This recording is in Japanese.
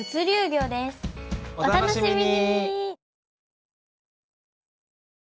お楽しみに！